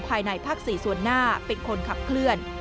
ภายในภาค๔ส่วนหน้าเป็นคนขับเคลื่อน